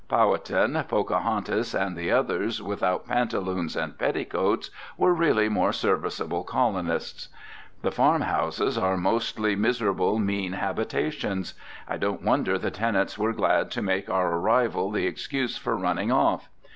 Powhattan, Pocahontas, and the others without pantaloons and petticoats, were really more serviceable colonists. The farm houses are mostly miserably mean habitations. I don't wonder the tenants were glad to make our arrival the excuse for running off.